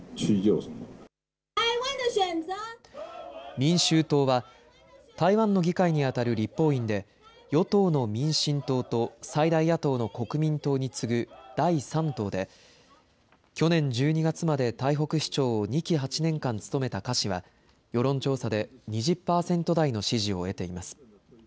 民衆党は台湾の議会にあたる立法院で与党の民進党と最大野党の国民党に次ぐ第３党で去年１２月まで台北市長を２期８年間務めた柯氏は世論調査で２０％台の支持を得ています。